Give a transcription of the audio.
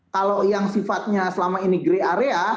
kalau yang sifatnya selama ini grey area